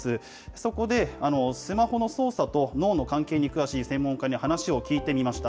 そこでスマホの操作と脳の関係に詳しい専門家に話を聞いてみました。